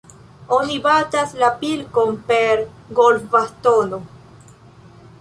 Oni batas la pilkon per golfbastono.